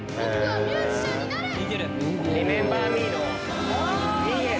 『リメンバー・ミー』のミゲル。